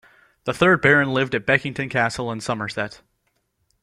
The third Baron lived at Beckington Castle in Somerset.